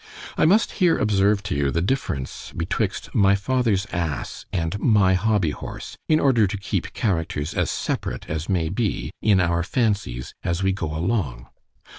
I must here observe to you the difference betwixt My father's ass and my hobby horse—in order to keep characters as separate as may be, in our fancies as we go along.